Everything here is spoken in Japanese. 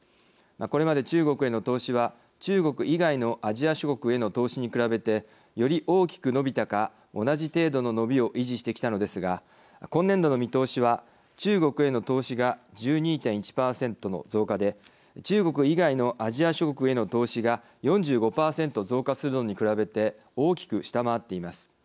これまで中国への投資は中国以外のアジア諸国への投資に比べてより大きく伸びたか同じ程度の伸びを維持してきたのですが今年度の見通しは中国への投資が１２．１％の増加で中国以外のアジア諸国への投資が４５％増加するのに比べて大きく下回っています。